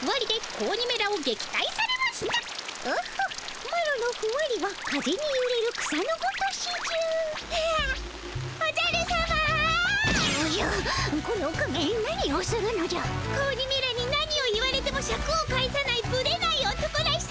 子鬼めらに何を言われてもシャクを返さないぶれない男らしさ。